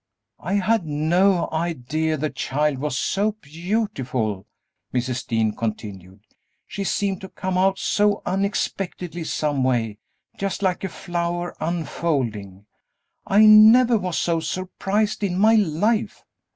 "I had no idea the child was so beautiful," Mrs. Dean continued; "she seemed to come out so unexpectedly some way, just like a flower unfolding. I never was so surprised in my life."